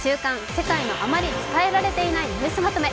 世界のあまり伝えられていないニュースまとめ」。